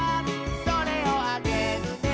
「それをあげるね」